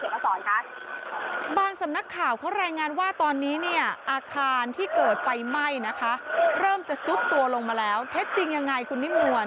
มาสอนค่ะบางสำนักข่าวเขารายงานว่าตอนนี้เนี่ยอาคารที่เกิดไฟไหม้นะคะเริ่มจะซุดตัวลงมาแล้วเท็จจริงยังไงคุณนิ่มนวล